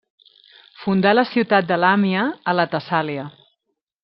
Fundà la ciutat de Làmia, a la Tessàlia.